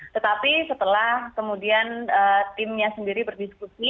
tetapi setelah kemudian timnya sendiri berdiskusi